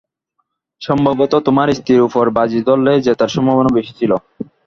সম্ভবত তোমার স্ত্রীর উপর বাজি ধরলেই জেতার সম্ভাবনা বেশি ছিল।